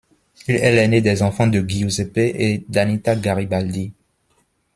Il est l’aîné des enfants de Giuseppe et d’Anita Garibaldi.